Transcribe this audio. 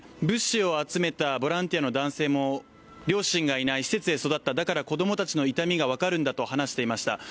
物資を集めたボランティアの男性も両親がいない、施設で育った、だから子供たちの痛みが分かるんだと話していました。